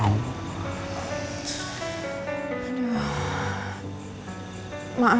walau saya juga enggak mau